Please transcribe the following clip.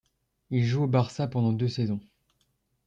Il joue au Barça pendant deux saisons.